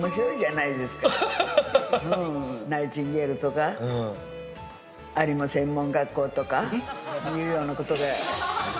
ないチンゲールとか、ありも専門学校とかいうようなことが。